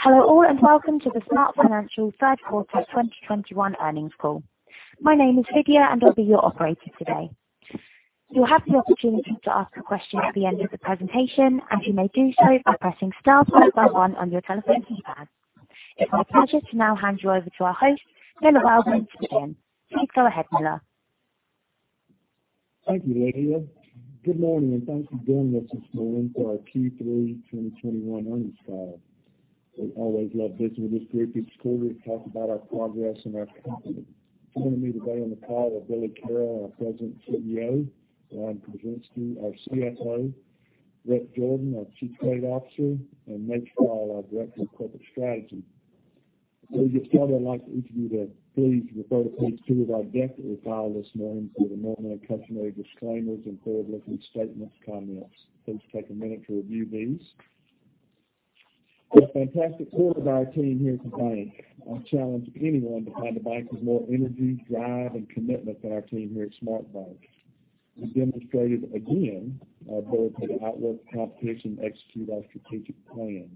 Hello all, and welcome to the SmartFinancial Third Quarter 2021 Earnings Call. My name is Lydia, and I'll be your operator today. You'll have the opportunity to ask a question at the end of the presentation, and you may do so by pressing star point star one on your telephone keypad. It's my pleasure to now hand you over to our host, Miller Welborn. Please go ahead, Miller. Thank you, Lydia. Good morning, thanks for joining us this morning for our Q3 2021 earnings call. We always love visiting with this great group each quarter to talk about our progress and our company. Joining me today on the call are Billy Carroll, our President and CEO, Ron Gorczynski, our CFO, Rhett Jordan, our Chief Credit Officer, and Nate Strall, our Director of Corporate Strategy. To get started, I'd like each of you to please refer to page two of our deck that we filed this morning for the normal and customary disclaimers and forward-looking statements comments. Please take a minute to review these. A fantastic quarter by our team here at the Bank. I challenge anyone to find a bank with more energy, drive, and commitment than our team here at SmartBank. We demonstrated again our ability to outwork the competition and execute our strategic plan.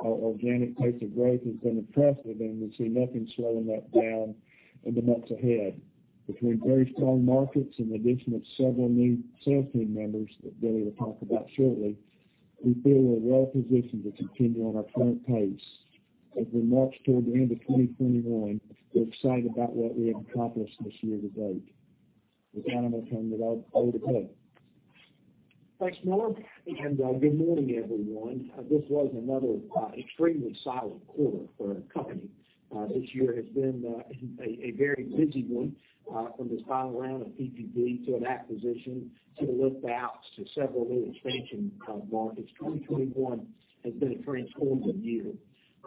Our organic pace of growth has been impressive, and we see nothing slowing that down in the months ahead. Between very strong markets and the addition of several new sales team members that Billy will talk about shortly, we feel we're well positioned to continue on our current pace. As we march toward the end of 2021, we're excited about what we have accomplished this year to date. With that, I'm going to hand it over to Carroll. Thanks, Miller, and good morning, everyone. This was another extremely solid quarter for our company. This year has been a very busy one. From this final round of PPP to an acquisition, to the lift-outs, to several new expansion markets, 2021 has been a transformative year.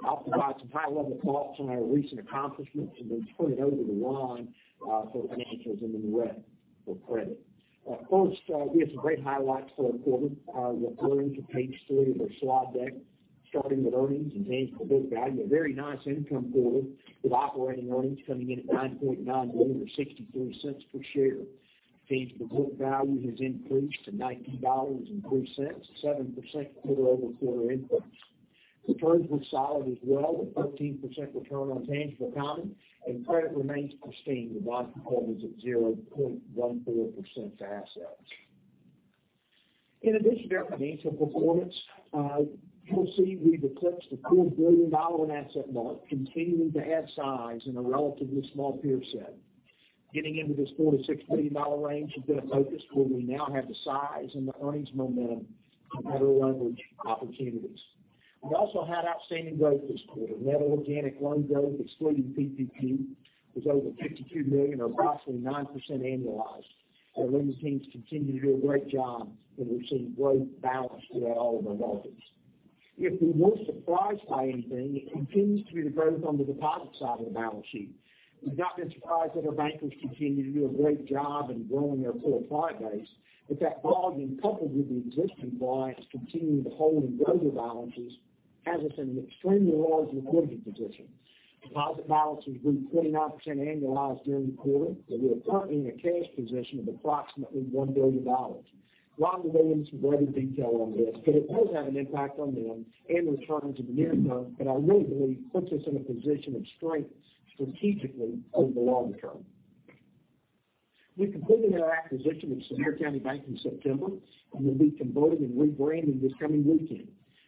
I'll provide some high-level thoughts on our recent accomplishments and then turn it over to Ron for financials and then to Rhett for credit. First, we have some great highlights for the quarter. We'll go into page three of our slide deck, starting with earnings and tangible book value, a very nice income quarter with operating earnings coming in at $9.9 million or $0.63 per share. Tangible book value has increased to $19.03, 7% quarter-over-quarter increase. Returns were solid as well with 13% return on tangible common, and credit remains pristine with loss performance at 0.14% to assets. In addition to our financial performance, you'll see we've eclipsed the $4 billion asset mark, continuing to add size in a relatively small peer set. Getting into this $4 billion-$6 billion range has been a focus where we now have the size and the earnings momentum for better leverage opportunities. We also had outstanding growth this quarter. Net organic loan growth excluding PPP was over $52 million or approximately 9% annualized. Our lending teams continue to do a great job, and we're seeing great balance throughout all of our markets. If we were surprised by anything, it continues to be the growth on the deposit side of the balance sheet. We've not been surprised that our bankers continue to do a great job in growing their core deposit base, but that volume coupled with the existing clients continuing to hold and grow their balances has us in an extremely large liquidity position. Deposit balances grew 29% annualized during the quarter, and we are currently in a cash position of approximately $1 billion. Ron will go into greater detail on this, but it does have an impact on them and returns in the near term, but I really believe puts us in a position of strength strategically over the long term. We completed our acquisition of Sevier County Bank in September and will be converting and rebranding this coming weekend.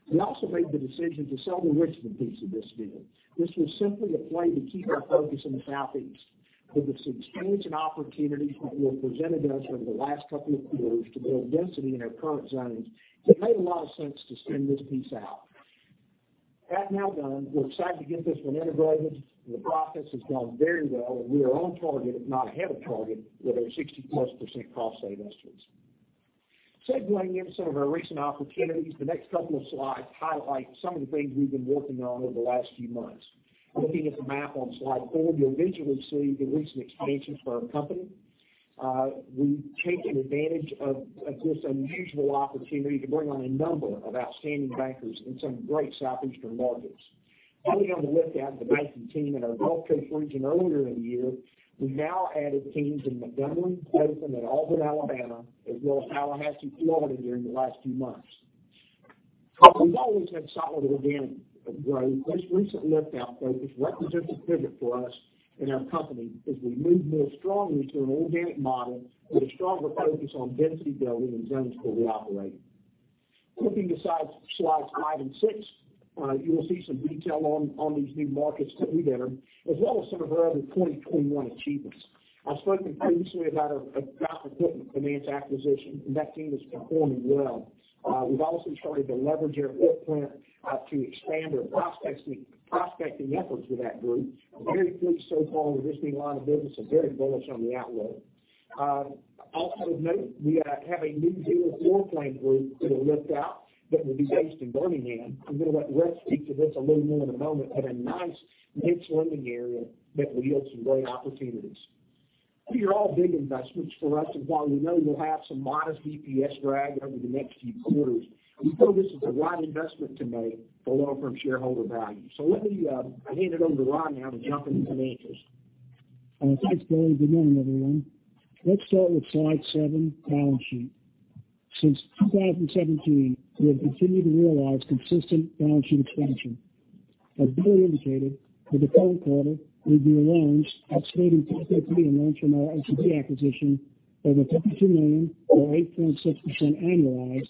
We also made the decision to sell the Richmond piece of this deal. This was simply a play to keep our focus in the Southeast. With the expansion opportunities that were presented to us over the last couple of years to build density in our current zones, it made a lot of sense to spin this piece out. That now done, we're excited to get this one integrated. The process has gone very well, and we are on target, if not ahead of target, with our 60%+ cost save estimates. Segueing into some of our recent opportunities, the next couple of slides highlight some of the things we've been working on over the last few months. Looking at the map on slide four, you'll visually see the recent expansions for our company. We've taken advantage of this unusual opportunity to bring on a number of outstanding bankers in some great southeastern markets. Building on the lift-out of the banking team in our Gulf Coast region earlier in the year, we've now added teams in Montgomery, Dothan, and Auburn, Alabama, as well as Tallahassee, Florida, during the last few months. While we've always had solid organic growth, this recent lift-out focus represents a pivot for us and our company as we move more strongly to an organic model with a stronger focus on density building in zones where we operate. Flipping to slides five and six, you will see some detail on these new markets that we've entered, as well as some of our other 2021 achievements. I spoke previously about our Fountain Equipment Finance acquisition, and that team is performing well. We've also started to leverage our footprint to expand our prospecting efforts with that group. We're very pleased so far with this new line of business and very bullish on the outlook. Also of note, we have a new dealer floor plan group that will lift out that will be based in Birmingham. I'm going to let Rhett speak to this a little more in a moment, but a nice niche lending area that will yield some great opportunities. These are all big investments for us, and while we know we'll have some modest EPS drag over the next few quarters, we feel this is the right investment to make to deliver for shareholder value. Let me hand it over to Ron now to jump into financials. Thanks, Billy. Good morning, everyone. Let's start with slide seven, balance sheet. Since 2017, we have continued to realize consistent balance sheet expansion. As Billy indicated, for the current quarter, we grew loans, excluding PPP loans from our SCB acquisition, over $52 million or 8.6% annualized,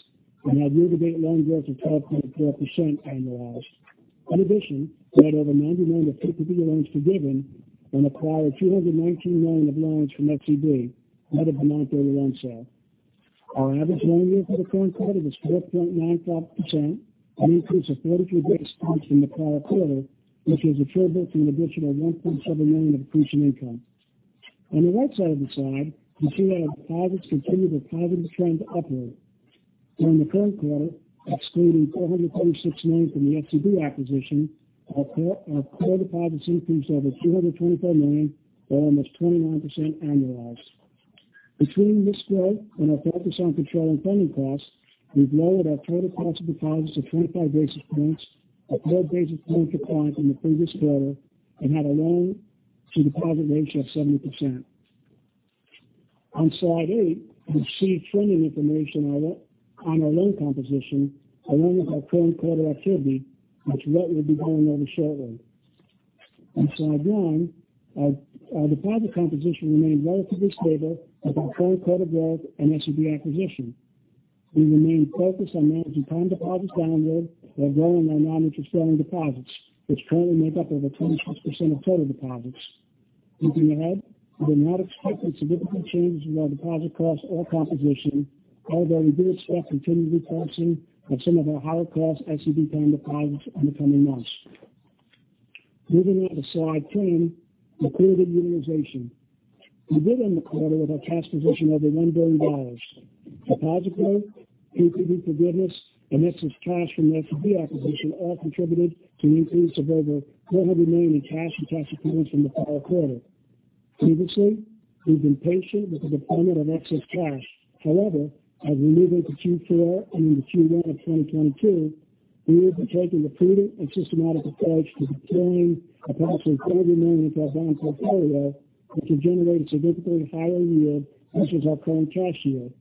and had year-to-date loan growth of 12.4% annualized. In addition, we had over $91 million of PPP loans forgiven and acquired $219 million of loans from SCB out of the $931 million sale. Our average loan yield for the current quarter was 4.95%, an increase of 33 basis points from the prior quarter, which was attributable to an additional $1.7 million of accretion income. On the right side of the slide, you see that our deposits continue their positive trend upward. During the current quarter, excluding $436 million from the SCB acquisition, our core deposits increased over $325 million or almost 29% annualized. Between this growth and our focus on controlling funding costs, we've lowered our total cost of deposits to 25 basis points, up four basis points year to point from the previous quarter. Had a loan-to-deposit ratio of 70%. On slide eight, you see trending information on our loan composition along with our current quarter activity, which Rhett will be going over shortly. On slide nine, our deposit composition remained relatively stable with our current quarter growth and SCB acquisition. We remain focused on managing time deposits downward while growing our non-interest bearing deposits, which currently make up over 26% of total deposits. Looking ahead, we do not expect any significant changes in our deposit costs or composition, although we do expect continued repurposing of some of our higher cost SCB time deposits in the coming months. Moving on to slide 10, liquidity utilization. We began the quarter with our cash position of over $1 billion. Deposit growth, increased forgiveness, and excess cash from the SCB acquisition all contributed to an increase of over $400 million in cash and cash equivalents from the prior quarter. Previously, we've been patient with the deployment of excess cash. However, as we move into Q4 and into Q1 of 2022, we will be taking a prudent and systematic approach to deploying approximately $40 million into our bond portfolio, which will generate a significantly higher yield versus our current cash yield.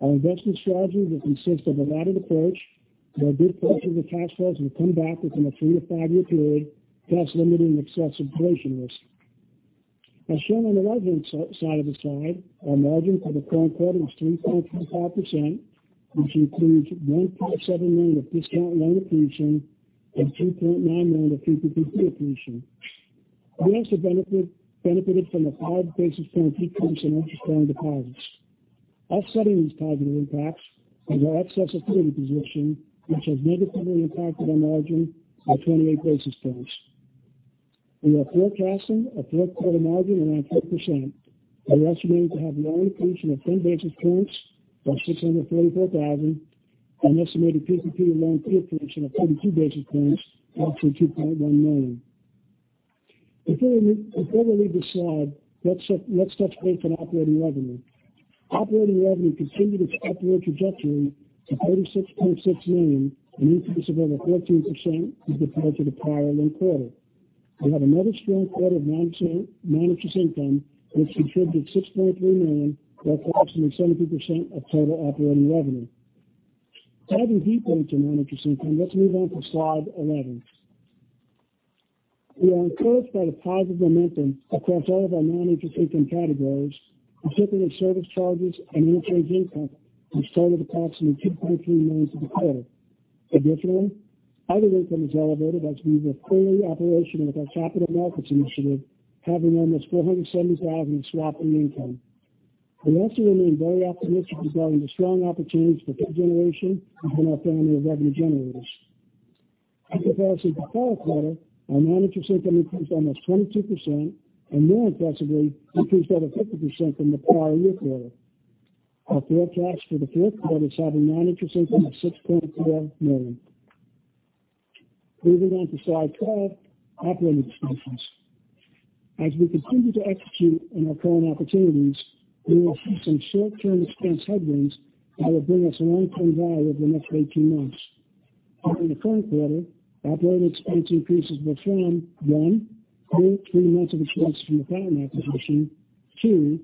Our investment strategy will consist of a laddered approach where these purchases of cash flows will come back within a three to five-year period, thus limiting excessive duration risk. As shown on the right-hand side of the slide, our margin for the current quarter was 3.25%, which includes $1.7 million of discount loan accretion and $2.9 million of PPP accretion. We also benefited from a 5 basis point increase in interest-bearing deposits. Offsetting these positive impacts is our excess liquidity position, which has negatively impacted our margin by 28 basis points. We are forecasting a third quarter margin around 5%. We're estimating to have loan accretion of 10 basis points or $634,000, an estimated PPP loan fee accretion of 22 basis points, up to $2.1 million. Before we leave this slide, let's touch base on operating revenue. Operating revenue continued its upward trajectory to $36.6 million, an increase of over 14% as compared to the prior linked quarter. We had another strong quarter of non-interest income, which contributed $6.3 million, or approximately 17% of total operating revenue. Diving deeper into non-interest income, let's move on to slide 11. We are encouraged by the positive momentum across all of our non-interest income categories, particularly service charges and interchange income, which totaled approximately $2.3 million for the quarter. Additionally, other income is elevated as we were fully operational with our capital markets initiative, having almost $470,000 in swap fee income. We also remain very optimistic regarding the strong opportunities for fee generation within our family of revenue generators. As opposed to the prior quarter, our non-interest income increased almost 22%, and more impressively, increased over 50% from the prior year quarter. Our forecast for the third quarter is having non-interest income of $6.12 million. Moving on to slide 12, operating expenses. As we continue to execute on our current opportunities, we will see some short-term expense headwinds that will bring us long-term value over the next 18 months. During the current quarter, operating expense increases were from, one, three months of expenses from the Fountain acquisition, two,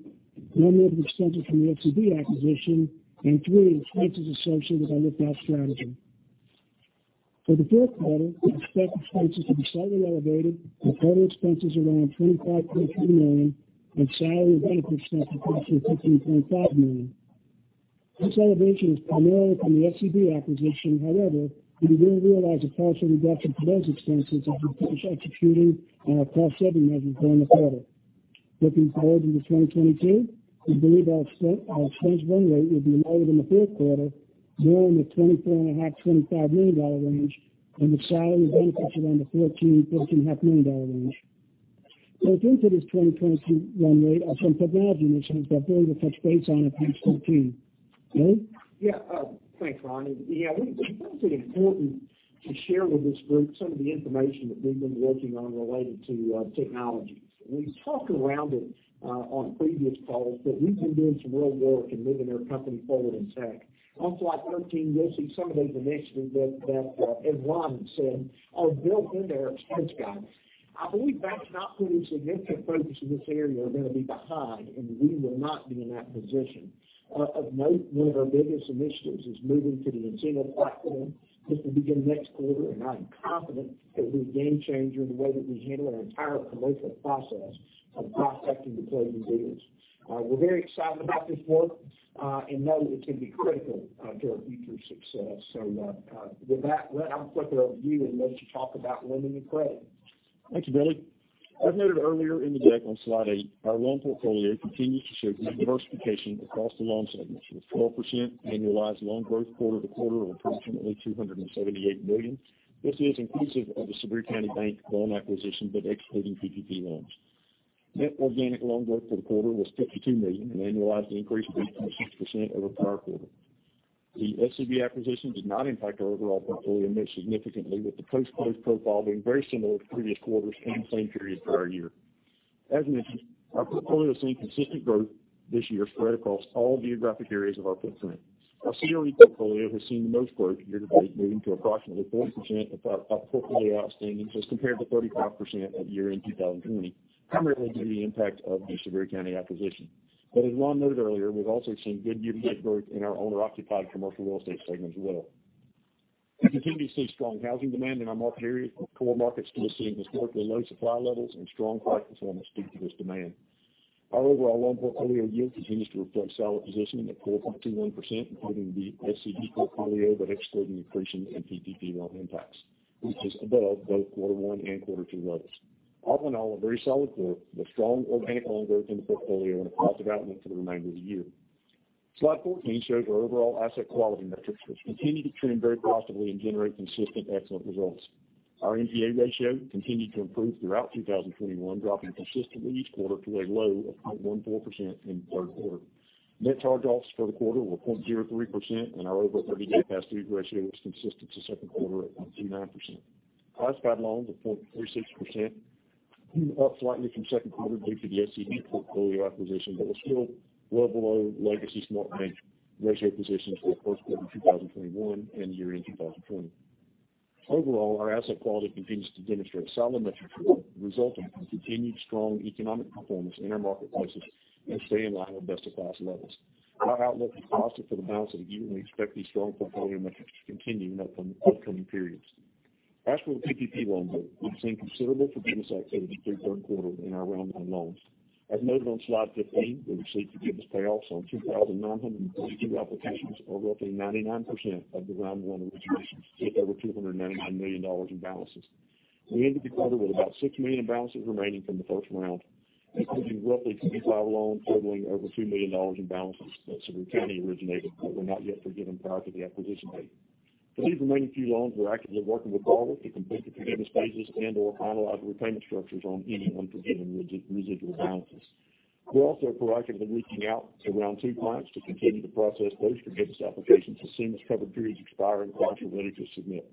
one month of expenses from the SCB acquisition, three, expenses associated with our lift-out strategy. For the fourth quarter, we expect expenses to be slightly elevated with total expenses around $25.2 million and salary and benefits costs approaching $15.5 million. This elevation is primarily from the SCB acquisition, however, we will realize a partial reduction to those expenses as we finish executing on our cost-saving measures during the quarter. Looking forward into 2022, we believe our expense run rate will be lower than the fourth quarter, more in the $24.5 million-$25 million range, and with salary and benefits around the $14 million-$14.5 million range. Built into this 2022 run rate are some technology initiatives that Billy will touch base on at page 14. Billy? Thanks, Ronnie. Yeah, we think it's important to share with this group some of the information that we've been working on related to technologies. We've talked around it on previous calls that we've been doing some real work in moving our company forward in tech. On slide 13, you'll see some of these initiatives that Ron said are built into our expense guide. I believe banks not putting significant focus in this area are going to be behind, and we will not be in that position. One of our biggest initiatives is moving to the nCino platform. This will begin next quarter, and I am confident it will be a game changer in the way that we handle our entire commercial process of prospecting to closing deals. We're very excited about this work and know that it can be critical to our future success. With that, Rhett, I'll flip it over to you and let you talk about lending and credit. Thank you, Billy. As noted earlier in the deck on slide eight, our loan portfolio continues to show good diversification across the loan segments with 4% annualized loan growth quarter-over-quarter of approximately $278 million. This is inclusive of the Sevier County Bank loan acquisition, but excluding PPP loans. Net organic loan growth for the quarter was $52 million, an annualized increase of 18.6% over prior quarter. The SCB acquisition did not impact our overall portfolio mix significantly, with the post-close profile being very similar to previous quarters and same period prior year. As mentioned, our portfolio has seen consistent growth year-to-date spread across all geographic areas of our footprint. Our CRE portfolio has seen the most growth year-to-date, moving to approximately 40% of our portfolio outstandings as compared to 35% at year-end 2020, primarily due to the impact of the Sevier County acquisition. As Ron noted earlier, we've also seen good unit growth in our owner-occupied commercial real estate segment as well. We continue to see strong housing demand in our market area, with core markets still seeing historically low supply levels and strong price performance speak to this demand. Our overall loan portfolio yield continues to reflect solid positioning at 4.21%, including the SCB portfolio, but excluding accretion and PPP loan impacts, which is above both quarter one and quarter two levels. All in all, a very solid quarter with strong organic loan growth in the portfolio and a positive outlook for the remainder of the year. Slide 14 shows our overall asset quality metrics, which continue to trend very positively and generate consistent excellent results. Our NPA ratio continued to improve throughout 2021, dropping consistently each quarter to a low of 0.14% in the third quarter. Net charge-offs for the quarter were 0.03%, and our over 30-day past due ratio was consistent to second quarter at 0.29%. Classified loans of 0.36%, up slightly from second quarter due to the SCB portfolio acquisition but were still well below legacy SmartBank ratio positions for first quarter 2021 and year-end 2020. Overall, our asset quality continues to demonstrate solid metrics resulting from continued strong economic performance in our marketplaces and staying in line with best-in-class levels. Our outlook is positive for the balance of the year, and we expect these strong portfolio metrics to continue in upcoming periods. As for the PPP loan note, we've seen considerable forgiveness activity through third quarter in our round one loans. As noted on slide 15, we received forgiveness payoffs on 2,952 applications, or roughly 99% of the round one originations, with over $299 million in balances. We ended the quarter with about $6 million in balances remaining from the first round. This could be roughly 55 loans totaling over $2 million in balances that Sevier County originated but were not yet forgiven prior to the acquisition date. For these remaining few loans, we're actively working with borrowers to complete the forgiveness phases and/or finalize repayment structures on any unforgiven residual balances. We're also proactively reaching out to Round two clients to continue the process post-forgiveness applications as soon as covered periods expire and clients are ready to submit.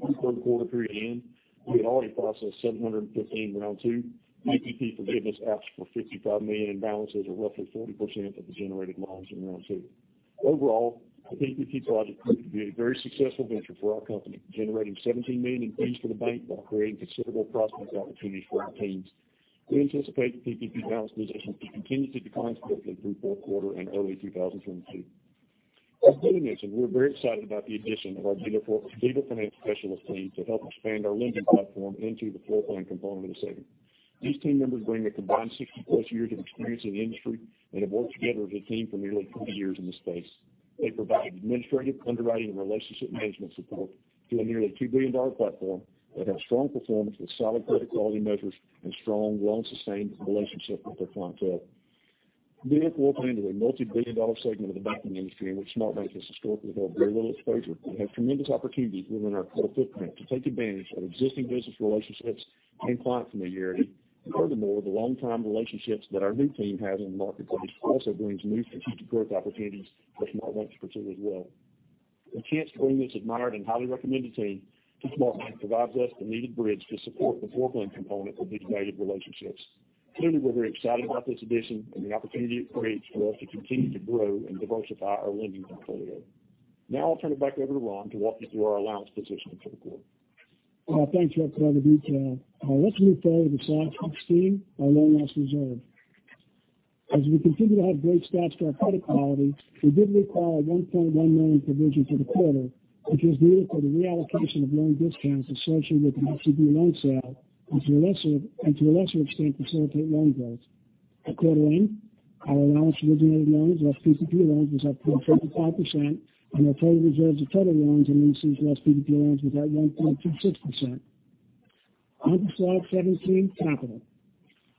Through third quarter period end, we had already processed 715 Round 2 PPP forgiveness apps for $55 million in balances, or roughly 40% of the generated loans in Round 2. Overall, the PPP project proved to be a very successful venture for our company, generating $17 million in fees for the bank while creating considerable prospects opportunities for our teams. We anticipate the PPP balance position to continue to decline steadily through fourth quarter and early 2022. As Billy mentioned, we're very excited about the addition of our dealer finance specialist team to help expand our lending platform into the floor plan component of the segment. These team members bring a combined 60+ years of experience in the industry and have worked together as a team for nearly 20 years in the space. They provide administrative, underwriting, and relationship management support to a nearly a $2 billion platform that has strong performance with solid credit quality measures and strong, long sustained relationships with their clientele. Dealer floor plan is a multibillion-dollar segment of the banking industry in which SmartBank has historically held very little exposure and has tremendous opportunities within our total footprint to take advantage of existing business relationships and client familiarity. Furthermore, the longtime relationships that our new team has in the marketplace also brings new future growth opportunities for SmartBank to pursue as well. The chance to bring this admired and highly recommended team to SmartBank provides us the needed bridge to support the floor plan component of these valued relationships. Clearly, we're very excited about this addition and the opportunity it creates for us to continue to grow and diversify our lending portfolio. Now I'll turn it back over to Ron to walk you through our allowance position for the quarter. Well, thanks, Rhett, for all the detail. Let's move forward to slide 16, our loan loss reserve. We continue to have great stats to our credit quality, we did require a $1.1 million provision for the quarter, which was needed for the reallocation of loan discounts associated with the SCB loan sale and to a lesser extent, facilitate loan growth. At quarter end, our allowance for originated loans less PPP loans was up to 1.45%, and our total reserves of total loans and leases less PPP loans was at 1.26%. On to slide 17, capital.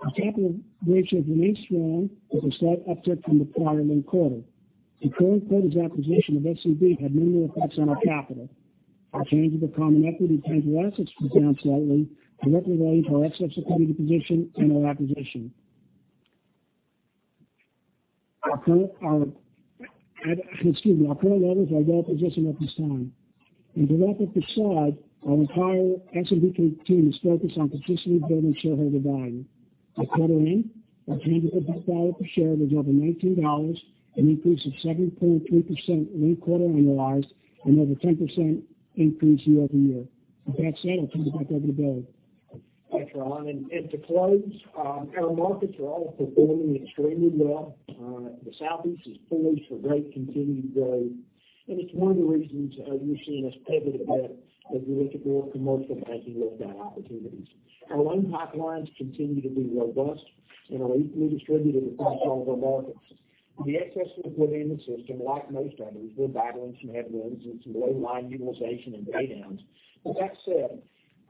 Our capital ratios remain strong with a slight uptick from the prior linked quarter. The current quarter's acquisition of SCB had minimal effects on our capital. Our change in the common equity times our assets was down slightly, directly related to our excess liquidity position and our acquisition. Our current leverage is right up, adjusting at this time. And to wrap up the side, our entire SMBK team is focused on consistently building shareholder value. By quarter end, our tangible book value per share was over $19, an increase of 7.3% link quarter annualized and over 10% increase year-over-year. With that said, I'll turn it back over to Billy. Thanks, Ron. To close, our markets are all performing extremely well. The Southeast is poised for great continued growth, and it's one of the reasons you're seeing us pivot a bit as we look at more commercial banking lift-out opportunities. Our loan pipelines continue to be robust and are equally distributed across all of our markets. The excess liquidity in the system, like most others, we're battling some headwinds and some low loan utilization and pay downs. With that said,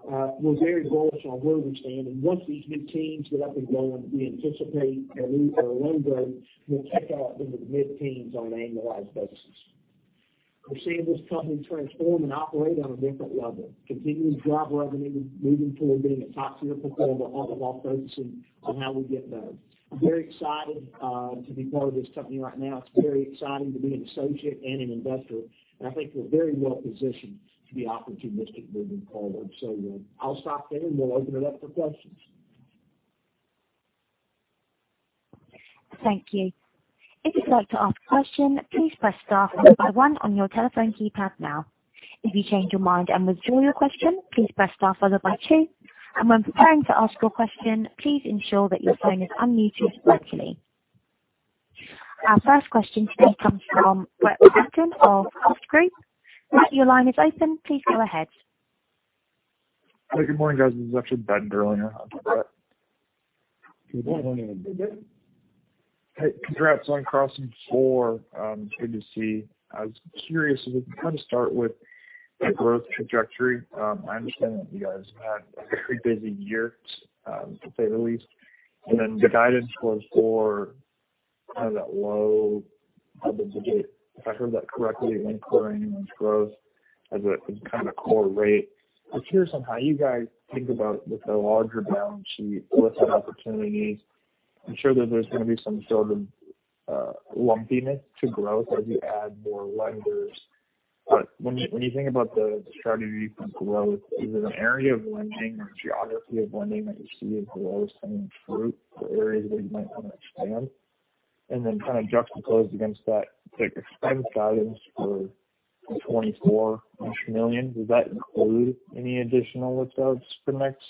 we're very bullish on where we stand, and once these new teams get up and going, we anticipate our loan growth will tick up into the mid-teens on an annualized basis. We're seeing this company transform and operate on a different level, continuing to drive revenue, moving toward being a top-tier performer on the line, focusing on how we get there. I'm very excited to be part of this company right now. It's very exciting to be an associate and an investor, and I think we're very well-positioned to be opportunistic moving forward. I'll stop there, and we'll open it up for questions. Thank you. If you'd like to ask a question, please press star followed by one on your telephone keypad now. If you change your mind and withdraw your question, please press star followed by two. When preparing to ask your question, please ensure that your phone is unmuted virtually. Our first question today comes from Brett Benton of Hovde Group. Your line is open. Please go ahead. Good morning, guys. This is actually Ben Gerlinger. How's it going? Good morning. Hey, congrats on crossing [four JDC]. I was curious if we can kind of start with the growth trajectory. I understand that you guys have had a very busy year, to say the least. The guidance was for kind of that low double digit, if I heard that correctly, including growth as a kind of core rate. I'm curious on how you guys think about with the larger balance sheet lift-out opportunities. I'm sure that there's going to be some sort of lumpiness to growth as you add more lenders. When you think about the strategy from growth, is it an area of lending or geography of lending that you see as the lowest hanging fruit or areas where you might want to expand? Kind of juxtaposed against that, the expense guidance for $24-ish million, does that include any additional lift-outs for next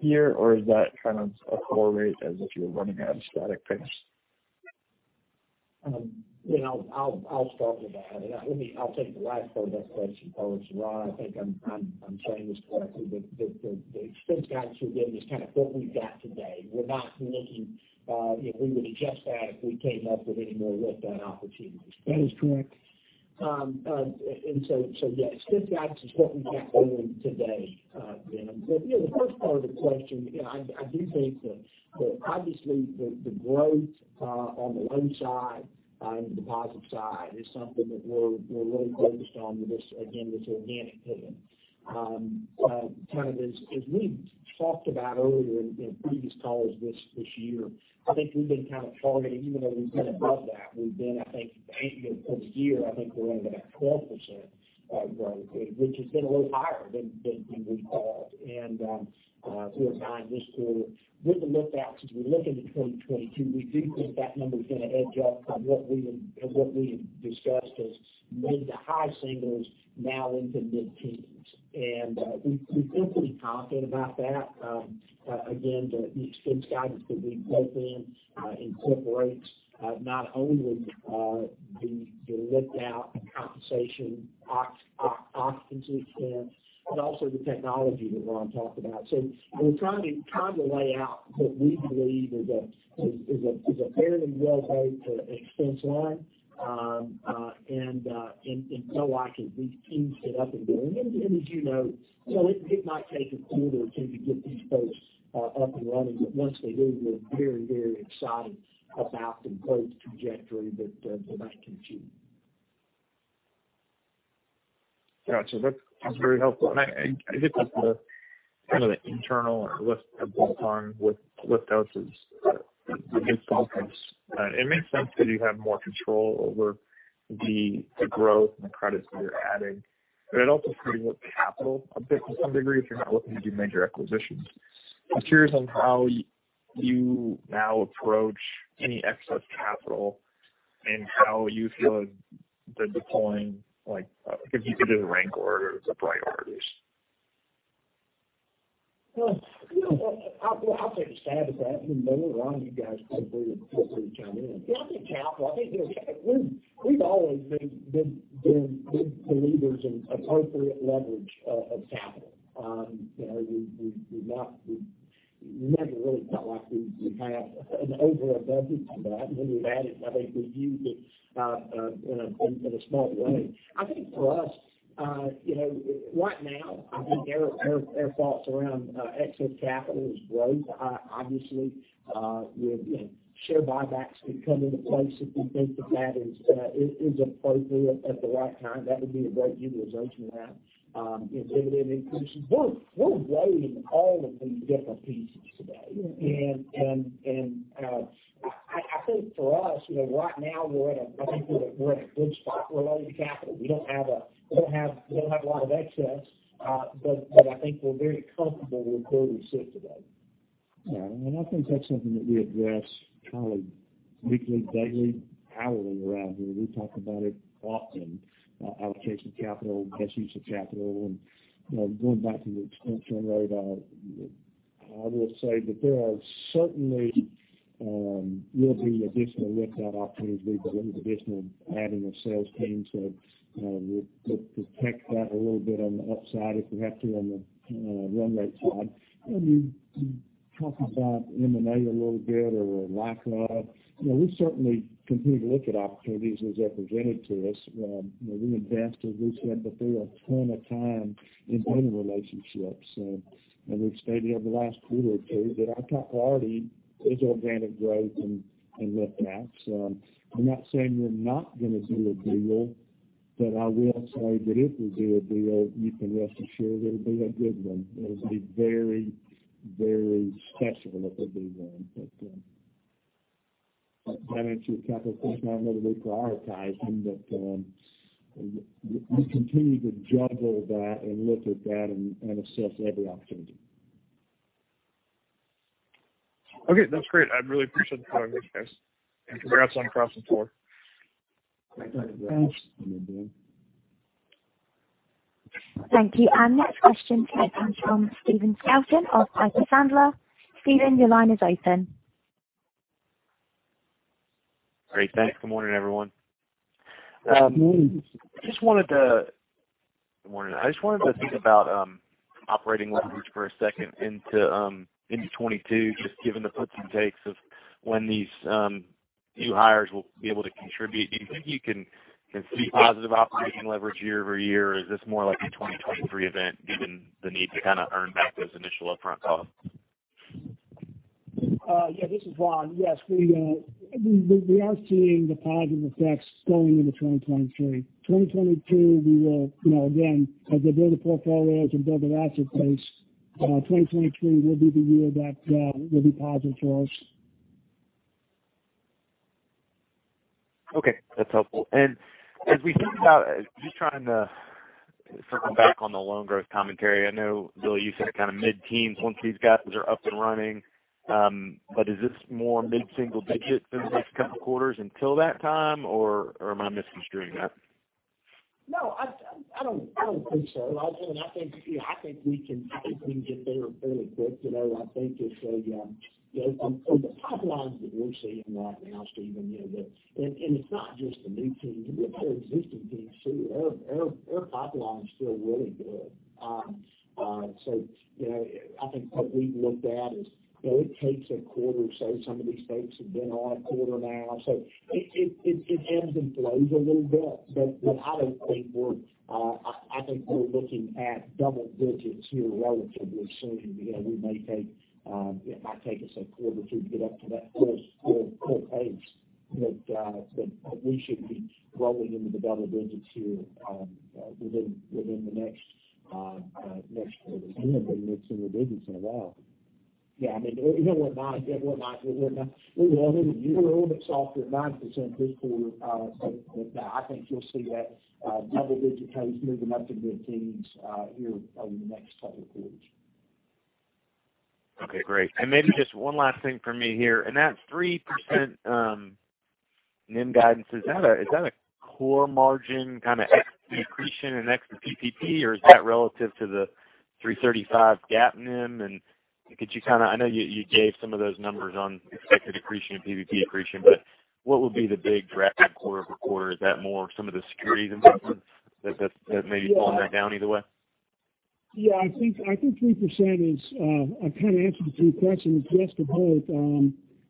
year? Or is that kind of a core rate as if you were running out of static picks? I'll start with that. I'll take the last part of that question first. Ron, I think I'm saying this correctly, but the expense guidance we're giving is kind of what we've got today. We're not looking if we would adjust that if we came up with any more lift-out opportunities. That is correct. Yes, expense guidance is what we've got going today, Ben. The first part of the question, I do think that obviously the growth on the loan side and the deposit side is something that we're really focused on with this, again, this organic pivot. Kind of as we talked about earlier in previous calls this year, I think we've been kind of targeting, even though we've been above that, we've been, I think, eight months of the year, I think we're only about 12% of growth, which has been a little higher than we've called. We were guiding this quarter. With the lift-outs, as we look into 2022, we do think that number is going to edge up from what we had discussed as mid to high singles now into mid-teens. We feel pretty confident about that. The expense guidance that we've built in incorporates not only the lift-out and compensation occupancy in, but also the technology that Ron talked about. We're trying to lay out what we believe is a fairly well-laid expense line and go after these teams set up and going. As you know, it might take a quarter or two to get these folks up and running, but once they do, we're very excited about the growth trajectory that they'll bring to you. Got you. That's very helpful. I think with the kind of the internal lift of one time with lift-outs is it makes sense that you have more control over the growth and the credits that you're adding, but it also frees up capital a bit to some degree if you're not looking to do major acquisitions. I'm curious on how you now approach any excess capital and how you feel the deploying, if you could do the rank order of the priorities? I'll take a stab at that. Ron, you guys feel free to chime in. On the capital, I think we've always been good believers in appropriate leverage of capital. We've never really felt like we have an overabundance of that. When we've had it, I think we've used it in a smart way. I think for us right now, I think our thoughts around excess capital is growth. Obviously, share buybacks could come into place if we think that that is appropriate at the right time. That would be a great utilization of that. Dividend increases. We're weighing all of these different pieces today. I think for us, right now we're at a good spot relating to capital. We don't have a lot of excess, but I think we're very comfortable with where we sit today. Yeah. I think that's something that we address kind of weekly, daily, hourly around here. We talk about it often, allocation of capital, best use of capital. Going back to the expense run rate, I will say that there are certainly will be additional lift-out opportunities. We believe additional adding of sales teams will protect that a little bit on the upside if we have to on the run rate side. You talked about M&A a little bit or lack of. We certainly continue to look at opportunities as they're presented to us. We invest, as we said, but there are ton of time in building relationships. We've stated over the last quarter or two that our top priority is organic growth and lift-outs. I'm not saying we're not going to do a deal, but I will say that if we do a deal, you can rest assured it'll be a good one. It'll be very special if we do one. Balancing capital right now, really we're prioritizing, but we continue to juggle that and look at that and assess every opportunity. Okay, that's great. I really appreciate the time with you guys, and congrats on crossing the floor. Thanks. Thanks. Thank you. Next question comes from Stephen Scouten of Piper Sandler. Stephen, your line is open. Great. Thanks. Good morning, everyone. Good morning. I just wanted to think about operating leverage for a second into 2022, just given the puts and takes of when these new hires will be able to contribute. Do you think you can see positive operating leverage year-over-year? Is this more like a 2023 event, given the need to earn back those initial upfront costs? Yeah, this is Ron. Yes, we are seeing the positive effects going into 2023. 2022, we will, again, as we build a portfolio, as we build an asset base, 2023 will be the year that will be positive for us. Okay, that's helpful. As we think about, just trying to circle back on the loan growth commentary. I know, Billy, you said mid-teens once these guys are up and running. Is this more mid-single digits in the next couple of quarters until that time, or am I misconstruing that? No, I don't think so. I think we can get there fairly quick. I think just from the pipelines that we're seeing right now, Stephen. It's not just the new teams. We've had existing teams, too. Their pipeline's still really good. I think what we've looked at is, it takes a quarter or so. Some of these banks have been on a quarter now, so it ebbs and flows a little bit. I think we're looking at double digits here relatively soon. It might take us a quarter or two to get up to that full pace. We should be growing into the double digits here within the next quarter. We haven't been mid-single digits in a while. Yeah. We're a little bit softer at 9% this quarter. I think you'll see that double-digit pace moving up to mid-teens here over the next couple of quarters. Okay, great. Maybe just one last thing from me here, that 3% NIM guidance, is that a core margin kind of ex-accretion and ex-PPP, or is that relative to the 3.35% GAAP NIM? I know you gave some of those numbers on expected accretion and PPP accretion, but what would be the big driver quarter-over-quarter? Is that more some of the securities investments that may be pulling that down either way? Yeah, I think 3% is, I kind of answered the two questions. Yes to both.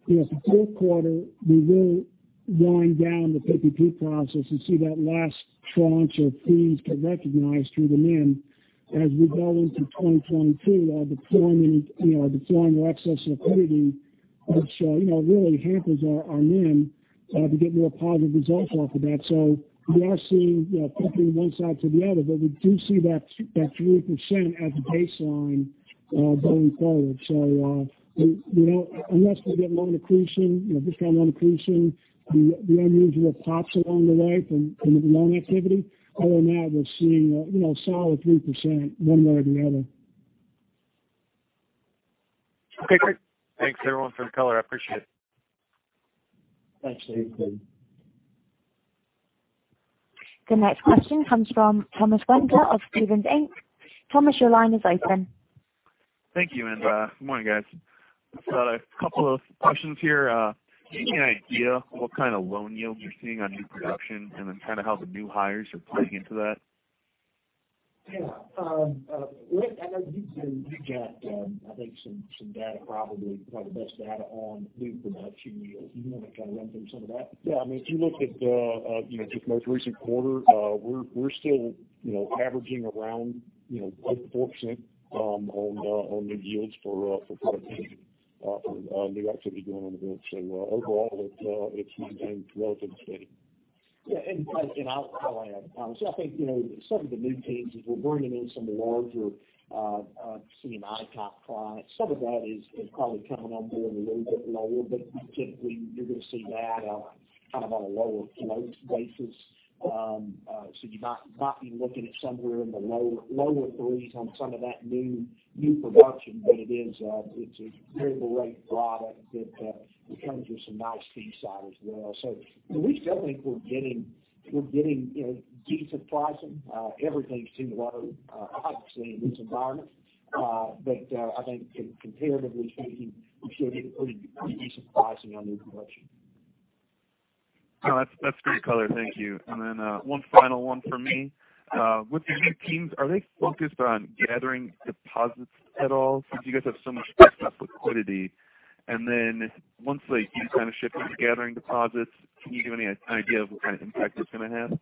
The fourth quarter, we will wind down the PPP process and see that last tranche of fees get recognized through the NIM. As we go into 2022, deploying more excess liquidity, which really hampers our NIM to get more positive results off of that. We are seeing flipping one side to the other, but we do see that 3% as a baseline going forward. Unless we get loan accretion, different loan accretion, the unusual pops along the way from loan activity. Other than that, we're seeing solid 3%, one way or the other. Okay, great. Thanks, everyone, for the color. I appreciate it. Thanks, Stephen. The next question comes from Thomas Wendler of Stephens Inc. Thomas, your line is open. Thank you, good morning, guys. I've got two questions here. Do you have any idea what kind of loan yields you're seeing on new production, and then how the new hires are playing into that? Yeah. Rhett, I know you got I think some data, probably the best data on new production yields. Do you want to run through some of that? Yeah. If you look at just most recent quarter, we're still averaging around 4% on new yields for production, new activity going on the book. Overall, it's maintained relatively steady. Yeah, I'll add, Thomas. I think, some of the new teams, as we're bringing in some larger C&I type clients, some of that is probably coming on board a little bit lower, but typically, you're going to see that on a lower flow basis. You might not be looking at somewhere in the lower 3s on some of that new production, but it's a variable rate product that comes with some nice fee side as well. We still think we're getting decent pricing. Everything's too low, obviously, in this environment. I think comparatively speaking, we should get pretty decent pricing on new production. No, that's great color. Thank you. One final one from me. With the new teams, are they focused on gathering deposits at all, since you guys have so much excess liquidity? Once you finish shifting to gathering deposits, can you give any idea of what kind of impact it's going to have?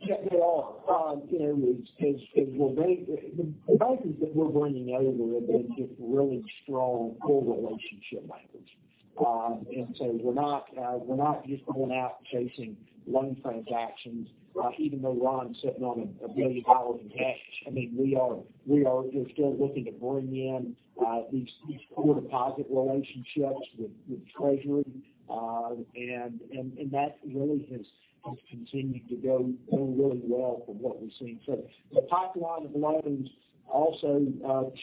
Yeah, they are. Because the bankers that we're bringing over have been just really strong core relationship bankers. We're not just going out chasing loan transactions, even though Ron's sitting on a billion dollar in cash. We are still looking to bring in these core deposit relationships with treasury. That really has continued to go really well from what we've seen. The pipeline of loans also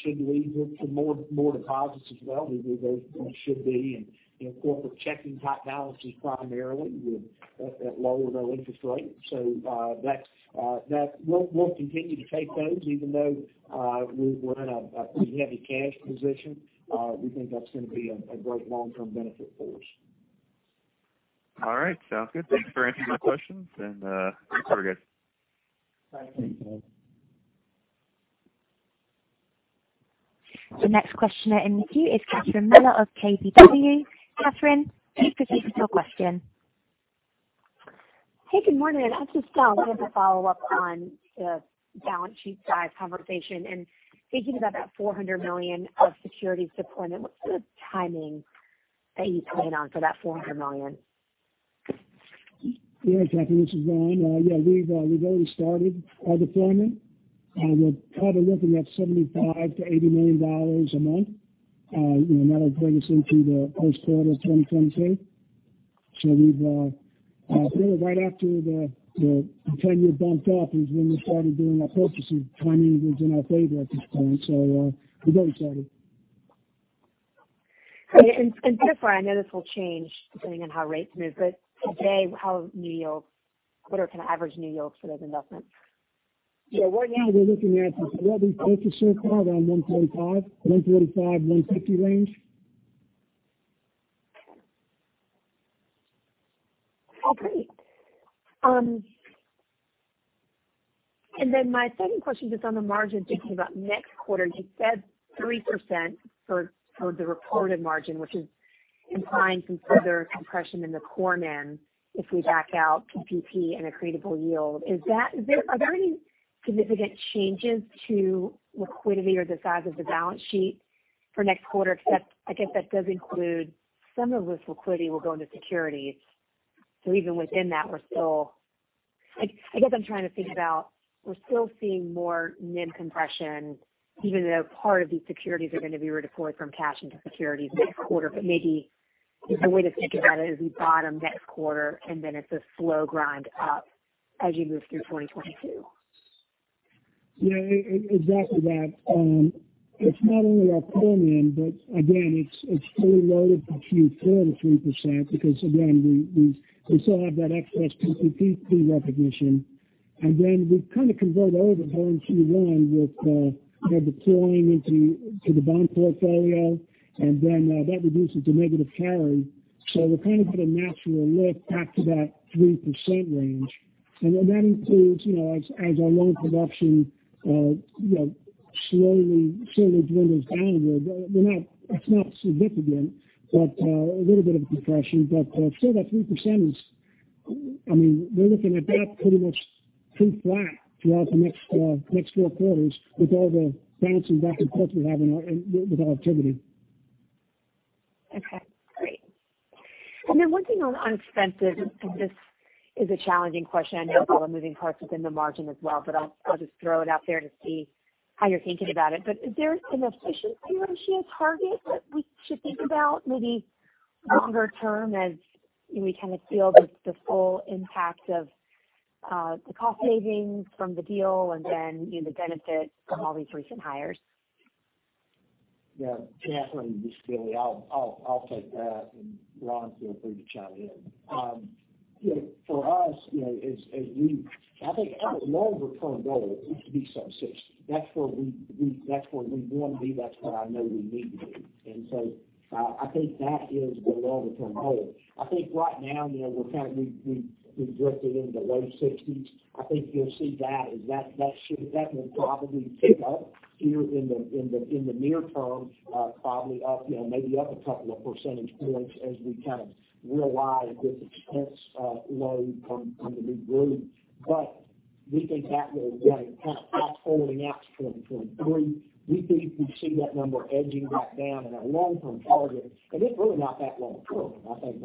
should lead to more deposits as well. Those loans should be in corporate checking type balances primarily with that lower interest rate. We'll continue to take those even though we're in a pretty heavy cash position. We think that's going to be a great long-term benefit for us. All right. Sounds good. Thanks for answering my questions, and I think we're good. Thank you. The next questioner in the queue is Catherine Mealor of KBW. Catherine, please proceed with your question. Hey, good morning. I just have a follow-up on the balance sheet size conversation and thinking about that $400 million of securities deployment. What's the timing that you plan on for that $400 million? Catherine, this is Ron. We've already started our deployment. We're probably looking at $75 million-$80 million a month. That'll bring us into the first quarter of 2022. Really right after the 10-year bumped up is when we started doing our purchases. Timing was in our favor at this point. We've already started. Just so I know this will change depending on how rates move. Today, what are kind of average new yields for those investments? Right now we're looking at, since we already purchased some, around $1.5, $1.45, $1.50 range. Oh, great. Then my second question is on the margin, thinking about next quarter. You said 3% for the reported margin, which is implying some further compression in the core NIM if we back out PPP and accretable yield. Are there any significant changes to liquidity or the size of the balance sheet for next quarter? I guess that does include some of this liquidity will go into securities. Even within that, I guess I'm trying to think about we're still seeing more NIM compression even though part of these securities are going to be redeployed from cash into securities next quarter. Maybe the way to think about it is we bottom next quarter and then it's a slow grind up as you move through 2022. Yeah, exactly that. It's not only our core NIM, but again, it's fully loaded for Q4 to 3% because, again, we still have that excess PPP fee recognition. Then we kind of convert over going through one with our deploying into the bond portfolio, and then that reduces to negative carry. We'll kind of get a natural lift back to that 3% range. That includes as our loan production slowly dwindles downward. It's not significant, but a little bit of a depression. Still that 3%, we're looking at that pretty much pretty flat throughout the next four quarters with all the balance and investment ports we have with our activity. Okay, great. One thing on expenses, and this is a challenging question. I know there are moving parts within the margin as well, but I'll just throw it out there to see how you're thinking about it. Is there an efficiency ratio target that we should think about maybe longer term as we kind of feel the full impact of the cost savings from the deal and then the benefit from all these recent hires? Yeah. Catherine, this is Billy. I'll take that and Ron, feel free to chime in. For us, I think our longer-term goal is to be sub-60. That's where we want to be. That's where I know we need to be. I think that is the longer-term goal. I think right now, we've drifted in the low 60s. I think you'll see that as that will probably tick up here in the near term, probably maybe up a couple of percentage points as we kind of realize this expense load from the new group. We think that will kind of withholding out to 2023. We think we see that number edging back down in our long-term target, and it's really not that long-term, I think.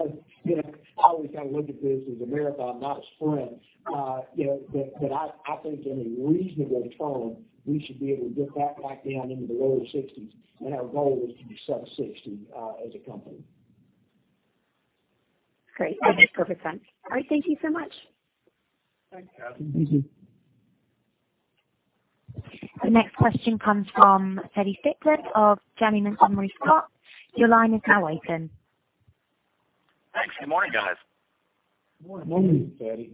I always kind of look at this as a marathon, not a sprint. I think in a reasonable tone, we should be able to get that back down into the lower 60s. Our goal is to be sub-60 as a company. Great. That makes perfect sense. All right, thank you so much. Thanks, Cathy. Thank you. The next question comes from Feddie Strickland of Janney Montgomery Scott. Thanks. Good morning, guys. Good morning. Morning, Feddie.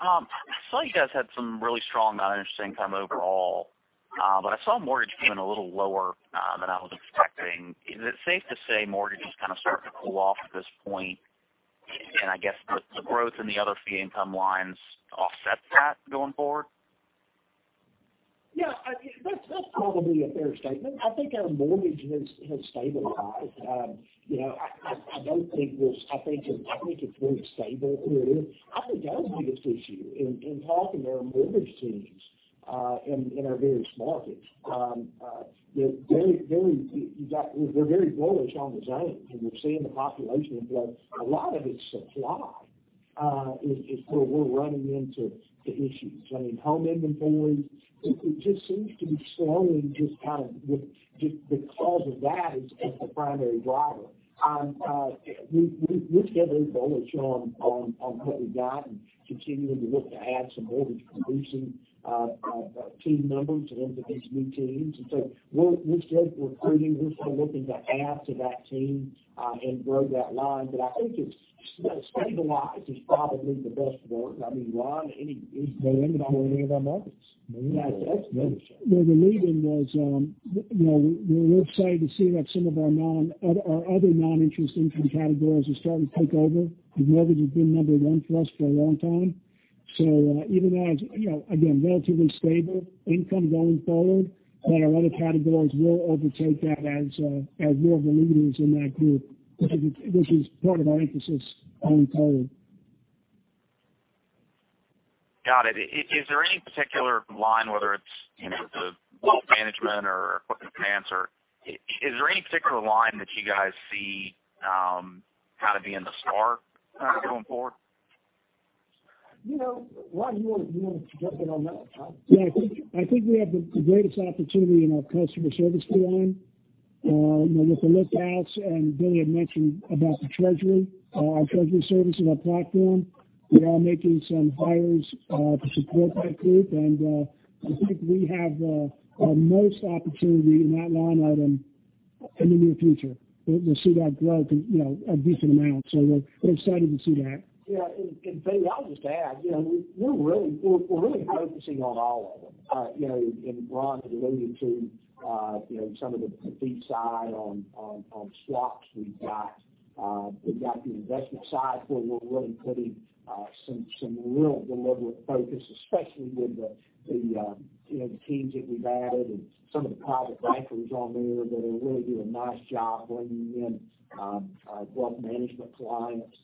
I saw you guys had some really strong non-interest income overall, but I saw mortgage came in a little lower than I was expecting. Is it safe to say mortgage is kind of starting to cool off at this point? I guess the growth in the other fee income lines offsets that going forward? Yeah. That's probably a fair statement. I think our mortgage has stabilized. I think it's really stable period. I think that was the biggest issue in talking to our mortgage teams in our various markets. They're very bullish on the zones, and we're seeing the population growth. A lot of it's supply is where we're running into the issues. Home inventories, it just seems to be slowing, just kind of because of that is the primary driver. We're still very bullish on what we've got and continuing to look to add some mortgage producing team members into these new teams. We're still recruiting. I think it's stabilized is probably the best word. Ron, any depending on any of our markets. Yeah. Where we're leading was we're excited to see that some of our other non-interest income categories are starting to take over. The mortgage has been number one for us for a long time. Even as, again, relatively stable income going forward, that our other categories will overtake that as more of a leader in that group, which is part of our emphasis going forward. Got it. Is there any particular line, whether it's the wealth management or equipment finance, or is there any particular line that you guys see kind of being the star going forward? Ron, you want to jump in on that? I think we have the greatest opportunity in our customer service fee line with the lift-outs and Billy had mentioned about the treasury. Our treasury service is our platform. We are making some hires to support that group, and I think we have the most opportunity in that line item in the near future. We'll see that growth a decent amount. We're excited to see that. Yeah. Feddie, I'll just add, we're really focusing on all of them. Ron had alluded to some of the fee side on swaps we've got. We've got the investment side where we're really putting some real deliberate focus, especially with the teams that we've added and some of the private bankers on there that are really doing a nice job bringing in wealth management clients.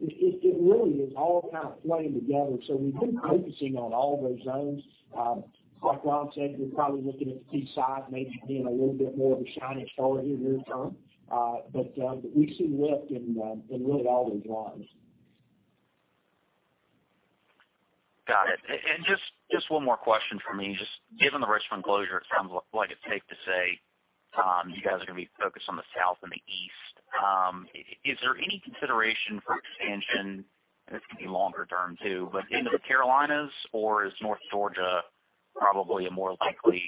It really is all kind of playing together. We've been focusing on all those zones. Like Ron said, we're probably looking at the fee side maybe being a little bit more of a shining star here near-term. We see lift in really all those lines. Got it. Just one more question from me. Just given the Richmond closure, it sounds like it's safe to say you guys are going to be focused on the South and the East. Is there any consideration for expansion, and this can be longer term too, but into the Carolinas, or is North Georgia probably a more likely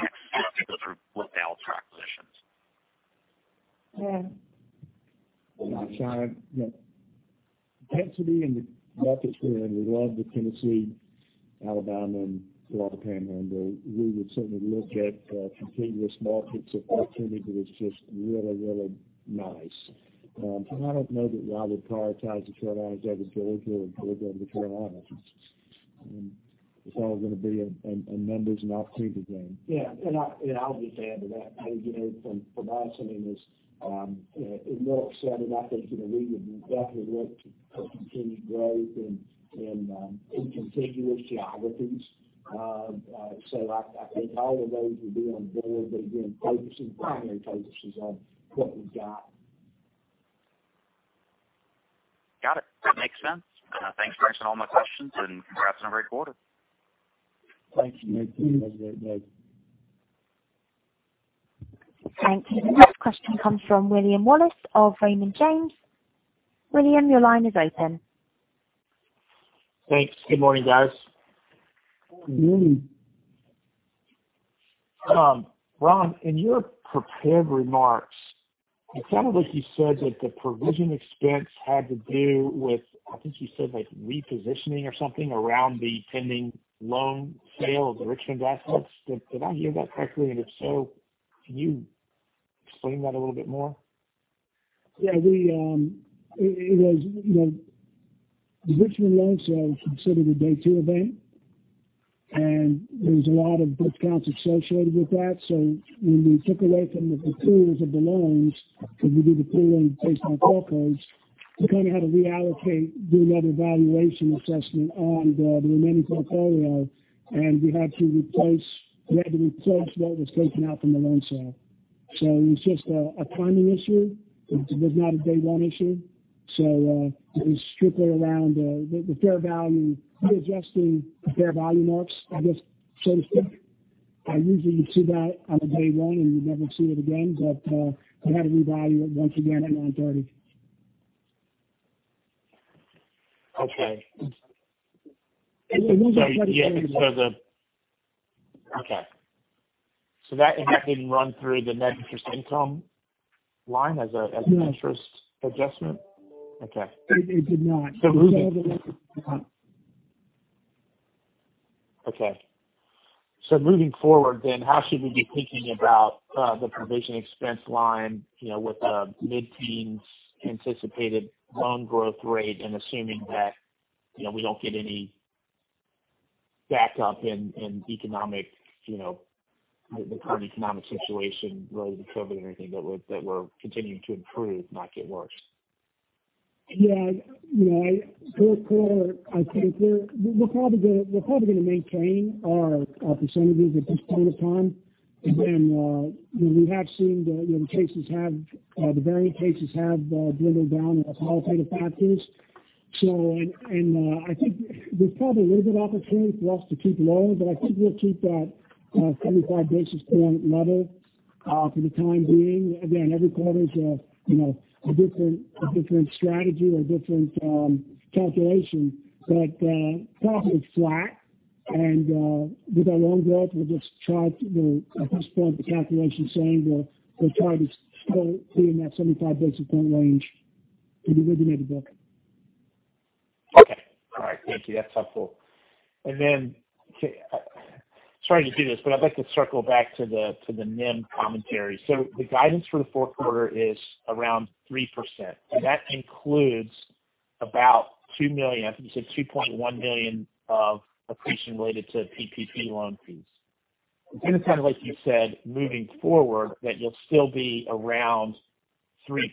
next step to go through lift out acquisitions? Yeah. You want to shine? Tennessee and the markets we're in, we love the Tennessee, Alabama, and Florida Panhandle. We would certainly look at contiguous markets if the timing was just really nice. I don't know that I would prioritize the Carolinas over Georgia or Georgia over the Carolinas. It's all going to be a numbers and opportunity game. Yeah. I'll just add to that. From us, as Miller said it, I think we would definitely look for continued growth in contiguous geographies. I think all of those would be on board, but again, primary focus is on what we've got. Got it. That makes sense. Thanks for answering all my questions, and congrats on a great quarter. Thanks, Feddie. Have a great day. Thank you. The next question comes from William Wallace of Raymond James. William, your line is open. Thanks. Good morning, guys. Good morning. Ron, in your prepared remarks, it sounded like you said that the provision expense had to do with, I think you said like repositioning or something around the pending loan sale of the Richmond assets. Did I hear that correctly, and if so, can you explain that a little bit more? Yeah. The Richmond loan sale was considered a day two event. There's a lot of discounts associated with that. When we took a look at the accruals of the loans, because we do the accrual based on the call codes, we kind of had to reallocate, do another valuation assessment on the remaining portfolio, and we had to replace what was taken out from the loan sale. It was just a timing issue. It was not a day one issue. It was strictly around the fair value. We're adjusting the fair value marks, I guess, so to speak. Usually, you see that on day one, and you never see it again. I had to revalue it once again at 9/30. Okay. Okay. That didn't run through the net interest income line as an interest adjustment? Okay. It did not. Okay. Moving forward, how should we be thinking about the provision expense line with the mid-teens anticipated loan growth rate and assuming that we don't get any back up in the current economic situation, COVID, and everything, that we're continuing to improve, not get worse? Yeah. I think we're probably going to maintain our percentages at this point of time. We have seen the variant cases have dwindled down with all kind of factors. I think there's probably a little bit opportunity for us to keep lower, but I think we'll keep that 75 basis point level for the time being. Again, every quarter is a different strategy or different calculation. Probably flat. With our loan growth, we'll just try to, at this point, the calculation's saying we'll try to stay in that 75 basis point range for the originated book. Okay. All right. Thank you. That's helpful. Sorry to do this, I'd like to circle back to the NIM commentary. The guidance for the fourth quarter is around 3%, and that includes about $2 million, I think you said $2.1 million of accretion related to PPP loan fees. It seems kind of like you said, moving forward, that you'll still be around 3%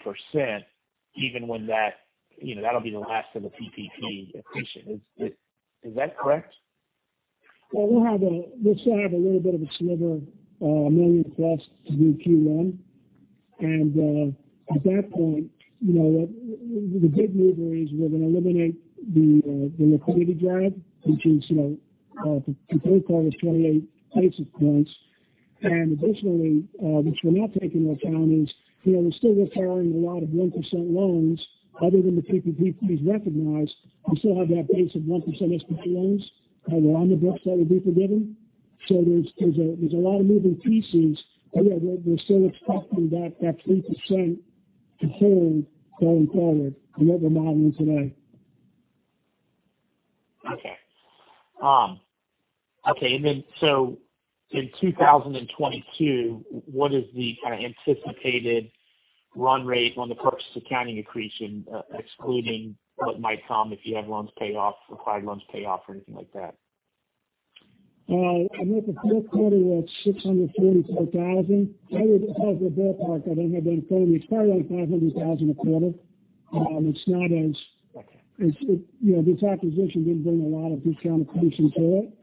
even when that'll be the last of the PPP accretion. Is that correct? Well, we'll still have a little bit of a sliver, $1 million+ through Q1. At that point, the big mover is we're going to eliminate the liquidity drag, which in Q3 was 28 basis points. Additionally, which we're not taking into account is, we're still retiring a lot of 1% loans other than the PPP fees recognized. We still have that base of 1% SBA loans that are on the books that will be forgiven. There's a lot of moving pieces. Yeah, we're still expecting that 3% to hold going forward, the lower margin today. Okay. In 2022, what is the kind of anticipated run rate on the purchase accounting accretion, excluding what might come if you have loans pay off, acquired loans pay off, or anything like that? I think the fourth quarter was $642,000. That was kind of the ballpark. I don't have that in front of me. It's probably like $500,000 a quarter. This acquisition didn't bring a lot of discount accretion to it.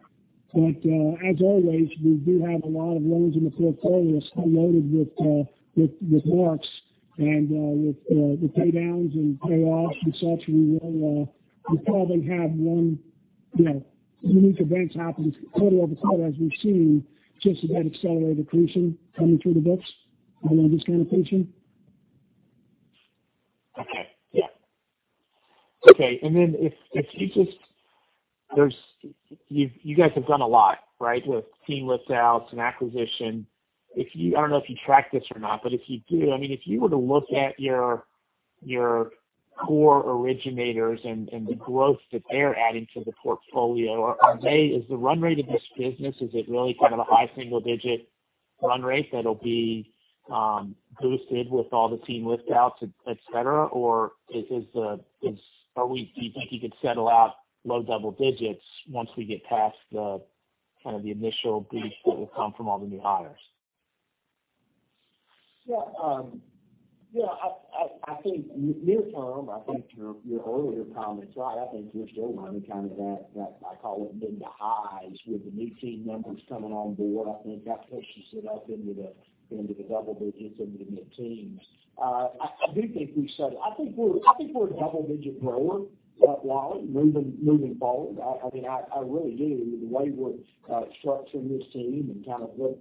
As always, we do have a lot of loans in the portfolio that's loaded with marks. With the pay downs and payoffs and such, we will probably have one unique event happen quarter-over-quarter as we've seen, just of that accelerated accretion coming through the books on the discount accretion. Okay. Yeah. Okay. Then if you just, you guys have done a lot, right? With team lift-outs and acquisition. I don't know if you track this or not, but if you do, if you were to look at your core originators and the growth that they're adding to the portfolio, is the run rate of this business, is it really kind of a high single-digit run rate that'll be boosted with all the team lift-outs, et cetera? Or do you think you could settle out low double digits once we get past the initial boost that will come from all the new hires? I think near term, I think your earlier comment is right. I think we're still running kind of that, I call it mid to highs with the new team members coming on board. I think that pushes it up into the double digits, into the mid-teens. I do think we're a double-digit grower, William, moving forward. I really do. The way we're structuring this team and kind of what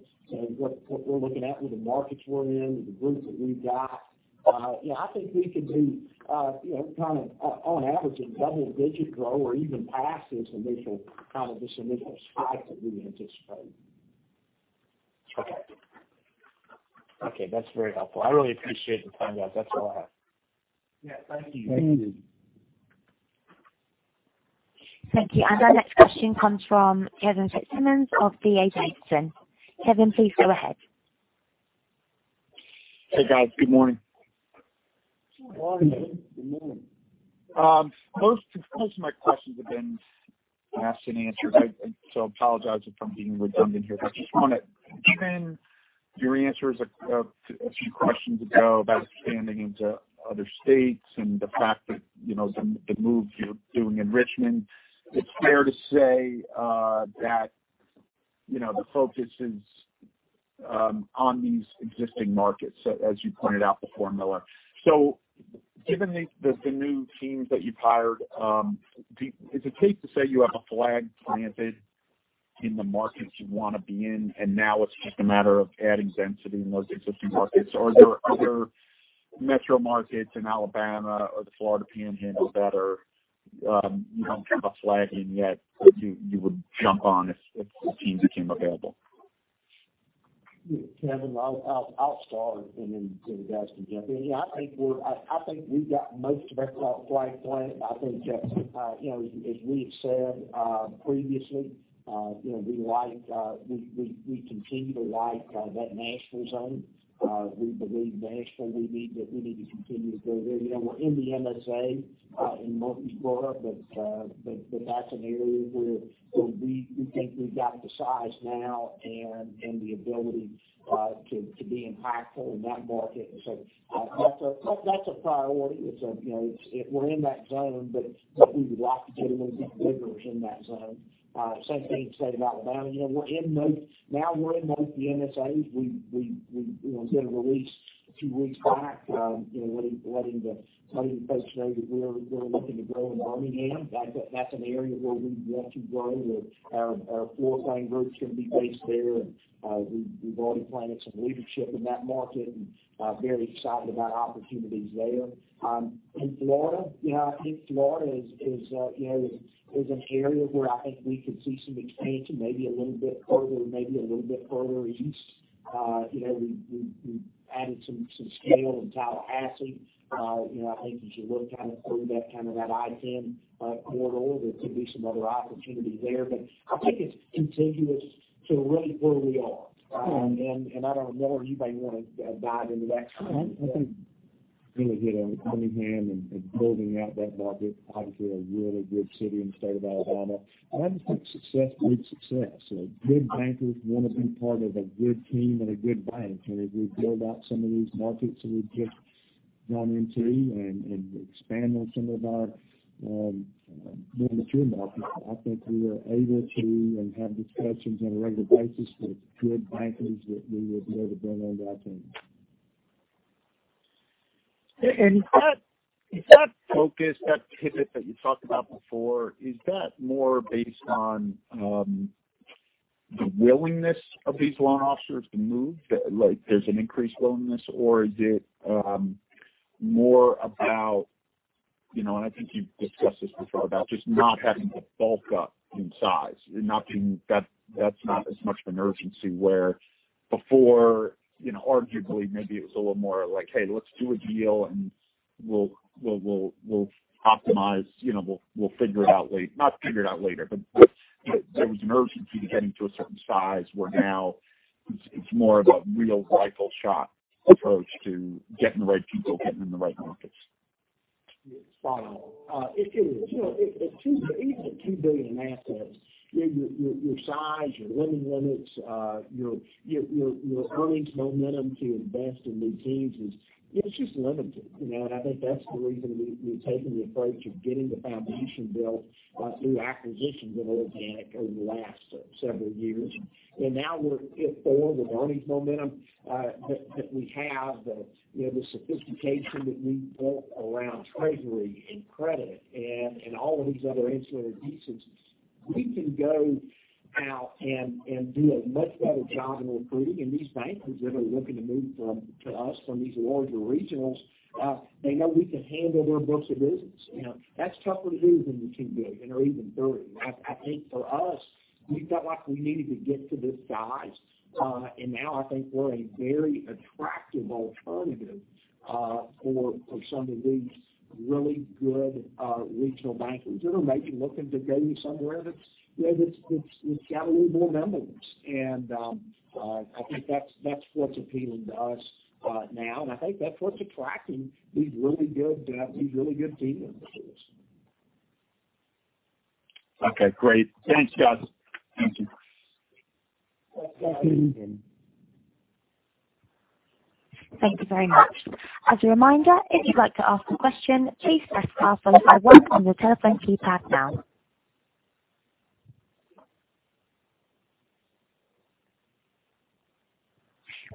we're looking at with the markets we're in, with the group that we've got, I think we could be on average a double-digit grower or even past this initial spike that we anticipate. Okay. That's very helpful. I really appreciate the time, guys. That's all I have. Yeah. Thank you. Thank you. Thank you. Our next question comes from Kevin Fitzsimmons of D.A. Davidson. Kevin, please go ahead. Hey guys, good morning. Good morning. Good morning. Most of my questions have been asked and answered. Apologize if I'm being redundant here, but just given your answers a few questions ago about expanding into other states and the fact that the moves you're doing in Richmond, it's fair to say that the focus is on these existing markets, as you pointed out before, Miller. Given the new teams that you've hired, is it safe to say you have a flag planted in the markets you want to be in, and now it's just a matter of adding density in those existing markets? Are there other metro markets in Alabama or the Florida Panhandle that are not flagging yet, that you would jump on if teams became available? Kevin, I'll start and then the guys can jump in. Yeah, I think we've got most of our flag planted. I think that, as we have said previously, we continue to like that Nashville zone. We believe Nashville, we need to continue to go there. We're in the MSA in Murfreesboro, but that's an area where we think we've got the size now and the ability to be impactful in that market. That's a priority. We're in that zone, but we would like to get a little bit bigger in that zone. Same thing, state of Alabama. Now we're in both the MSAs. We did a release a few weeks back letting the Dothan folks know that we're looking to grow in Birmingham. That's an area where we'd love to grow. Our floor planning group's going to be based there, and we've already planted some leadership in that market and very excited about opportunities there. In Florida, I think Florida is an area where I think we could see some expansion, maybe a little bit further east. We've added some scale in Tallahassee. I think as you look through that I-10 corridor, there could be some other opportunity there, but I think it's contiguous to right where we are. Miller, you may want to dive into that. I think really hit on Birmingham and building out that market. Obviously, a really good city in the state of Alabama. I just think success breeds success. Good bankers want to be part of a good team and a good bank. If we build out some of these markets that we've just gone into and expand on some of our mature markets, I think we are able to have discussions on a regular basis with good bankers that we would be able to bring under our tent. That focus, that pivot that you talked about before, is that more based on the willingness of these loan officers to move, like there's an increased willingness, or is it more about, and I think you've discussed this before, about just not having to bulk up in size? That's not as much of an urgency where before, arguably, maybe it was a little more like, "Hey, let's do a deal and we'll optimize, we'll figure it out later." Not figure it out later, but there was an urgency to getting to a certain size, where now it's more of a real rifle shot approach to getting the right people, getting in the right markets. It is. If you're even at $2 billion in assets, your size, your lending limits, your earnings momentum to invest in new teams is just limited. I think that's the reason we've taken the approach of getting the foundation built through acquisitions and organic over the last several years. Now if all the earnings momentum that we have, the sophistication that we've built around treasury and credit and all of these other ancillary pieces, we can go out and do a much better job in recruiting. These bankers that are looking to move to us from these larger regionals, they know we can handle their books of business. That's tougher to do than the $2 billion or even $3 billion. I think for us, we felt like we needed to get to this size. Now I think we're a very attractive alternative for some of these really good regional bankers that are maybe looking to go somewhere that's got a little more numbers. I think that's what's appealing to us now, and I think that's what's attracting these really good teams to us. Okay, great. Thanks, guys. Thank you. Thanks. Thank you very much. As a reminder, if you'd like to ask a question, please press star zero one on your telephone keypad now.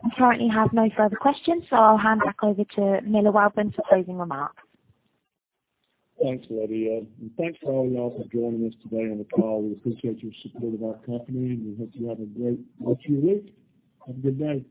We currently have no further questions, so I'll hand back over to Miller Welborn for closing remarks. Thanks, Lydia. Thanks for all y'all for joining us today on the call. We appreciate your support of our company, and we hope you have a great rest of your week. Have a good day.